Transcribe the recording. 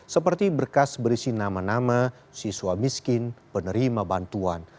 seperti berkas berisi nama nama siswa miskin penerima bantuan